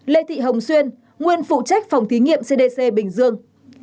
ba lê thị hồng xuyên nguyên phụ trách phòng thí nghiệm cdc bình dương